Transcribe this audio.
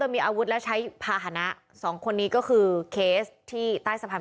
โดยมีอาวุธและใช้ผัฒนะสองคนนี้ก็คือเคสที่ใต้สัพภัณฑ์